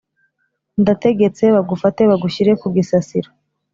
ndategetse bagufate bagushyire kugisasiro"